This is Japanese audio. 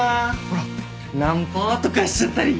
ほらナンパとかしちゃったり。